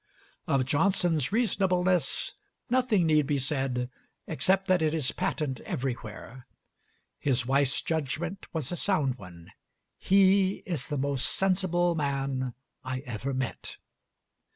Of Johnson's reasonableness nothing need be said, except that it is patent everywhere. His wife's judgment was a sound one "He is the most sensible man I ever met."